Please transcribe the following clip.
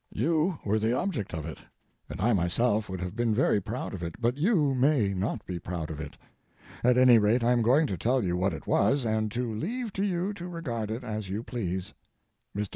You were the object of it, and I myself would have been very proud of it, but you may not be proud of it. At any rate, I am going to tell you what it was, and to leave to you to regard it as you please. Mr.